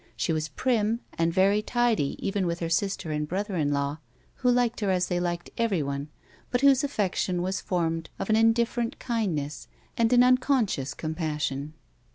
She was prim and very timid even with her sister and brother in law who liked her as they liked everyone, but whose affection was formed of an indifferent kindness, and an unconscious compassion.